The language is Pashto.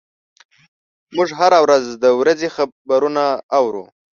موږ هره ورځ د ورځې خبرونه اورو.